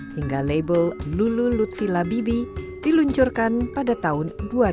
hingga label lulu lutfi labibi diluncurkan pada tahun dua ribu